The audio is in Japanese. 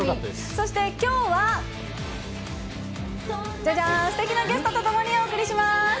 そしてきょうは、じゃじゃーん、すてきなゲストとともにお送りします。